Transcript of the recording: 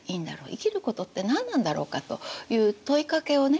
生きることって何なんだろうかという問いかけをね